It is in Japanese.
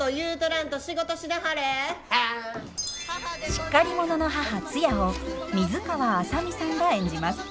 しっかり者の母ツヤを水川あさみさんが演じます。